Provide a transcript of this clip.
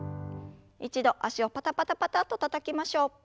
一度脚をパタパタパタッとたたきましょう。